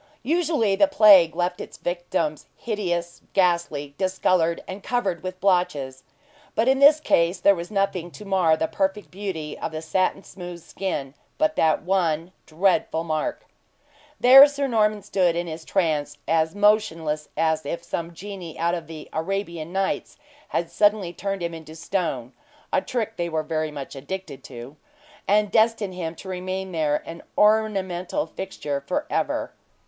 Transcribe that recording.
Usually the plague left its victims hideous, ghastly, discolored, and covered with blotches; but in this case then was nothing to mar the perfect beauty of the satin smooth skin, but that one dreadful mark. There Sir Norman stood in his trance, as motionless as if some genie out of the "Arabian Nights" had suddenly turned him into stone (a trick they were much addicted to), and destined him to remain there an ornamental fixture for ever.